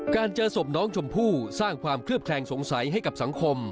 เจอศพน้องชมพู่สร้างความเคลือบแคลงสงสัยให้กับสังคม